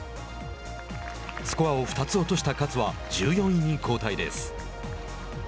スコアを２つ落とした勝は１４位に後退です。